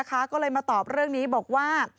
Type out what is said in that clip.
ก็เลยมาตอบเรื่องนี้บอกว่า